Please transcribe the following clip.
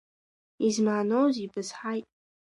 Измааноузеи, бызҳаит…